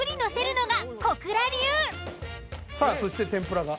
さあそして天ぷらが。